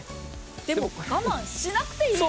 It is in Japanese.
でも我慢しなくていい。